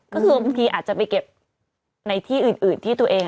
ก็คือบางทีอาจจะไปเก็บในที่อื่นที่ตัวเอง